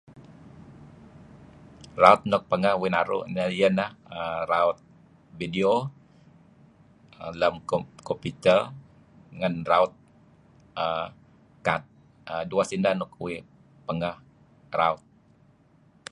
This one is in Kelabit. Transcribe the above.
Raut nuk pangeh uih naru' iah inah raut video lem computer ngen raut uhm kad, dueh sinah uih pangeh raut.